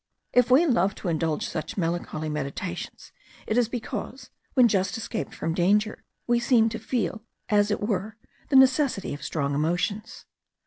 If we love to indulge such melancholy meditations, it is because, when just escaped from danger, we seem to feel as it were the necessity of strong emotions.